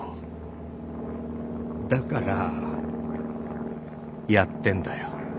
だからやってんだよ。